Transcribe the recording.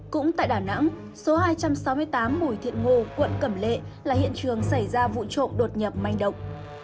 cũng tại đà nẵng số hai trăm sáu mươi tám bùi thiện ngô quận cẩm lệ là hiện trường xảy ra vụ trộm đột nhập manh động